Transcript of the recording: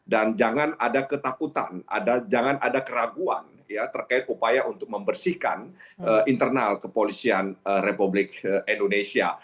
dan jangan ada ketakutan jangan ada keraguan terkait upaya untuk membersihkan internal kepolisian republik indonesia